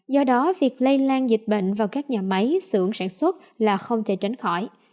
do đó việc lây lan dịch bệnh vào các nhà máy sưởng sản xuất là không thể tránh khỏi